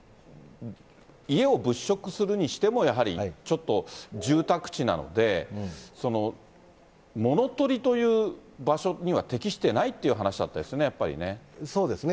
家を物色するにしても、やはりちょっと住宅地なので、物取りという場所には適してないっていう話だったですよね、そうですね。